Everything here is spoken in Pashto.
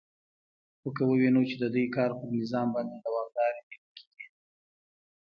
خو که ووینو چې د دوی کار پر نظام باندې دوامدارې نیوکې دي